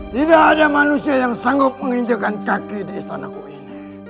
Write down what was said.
tidak ada manusia yang sanggup menginjakan kaki di istanaku ini